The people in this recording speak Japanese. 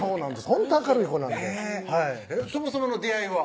ほんと明るい子なんでねぇそもそもの出会いは？